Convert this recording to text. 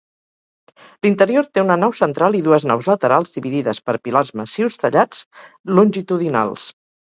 L'interior té una nau central i dues naus laterals, dividides per pilars massius tallats longitudinals.